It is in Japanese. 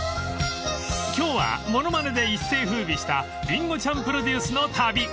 ［今日は物まねで一世風靡したりんごちゃんプロデュースの旅］